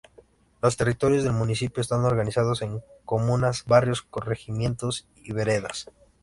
Los territorios del municipio están organizados en comunas, barrios, corregimientos y veredas.